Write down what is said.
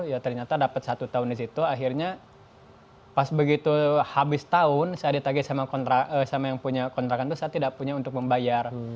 ya ternyata dapat satu tahun di situ akhirnya pas begitu habis tahun saya ditagih sama yang punya kontrakan itu saya tidak punya untuk membayar